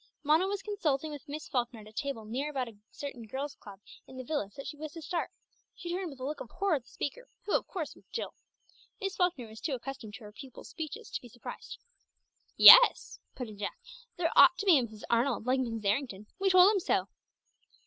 Mona was consulting with Miss Falkner at a table near about a certain girls' club in the village that she wished to start. She turned with a look of horror at the speaker, who of course was Jill; Miss Falkner was too accustomed to her pupils' speeches to be surprised. "Yes," put in Jack. "There ought to be a Mrs. Arnold, like Mrs. Errington; we told him so!"